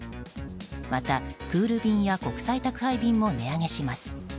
また、クール便や国際宅配便も値上げします。